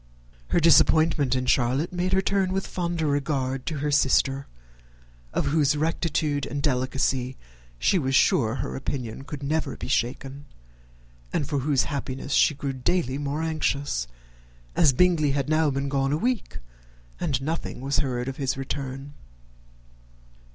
Her disappointment in Charlotte made her turn with fonder regard to her sister, of whose rectitude and delicacy she was sure her opinion could never be shaken, and for whose happiness she grew daily more anxious, as Bingley had now been gone a week, and nothing was heard of his return.